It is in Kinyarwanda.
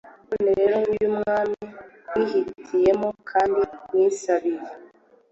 none rero, nguyu umwami mwihitiyemo kandi mwisabiye